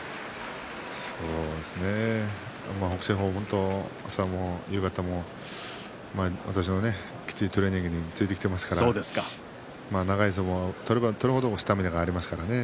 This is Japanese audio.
北青鵬は本当私のきついトレーニングに朝も夕方もついてきていますから長い相撲を取れば取る程スタミナがありますから。